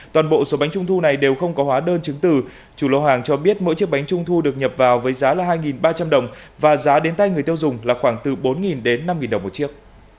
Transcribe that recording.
toàn bộ số bánh trung thu này đều không có hóa đơn chứng từ chủ lô hàng cho biết mỗi chiếc bánh trung thu được nhập vào với giá là hai ba trăm linh đồng và giá đến tay người tiêu dùng là khoảng từ bốn đến năm đồng một chiếc